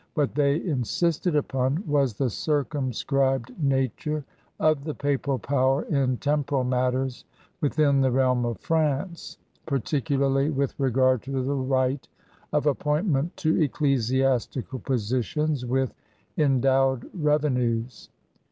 What they insisted upon was the circimiscribed nature of the papal power in temporal matters within the realm of France, particularly with regard to the right of appoint ment to ecclesiastical positions with endowed revenues.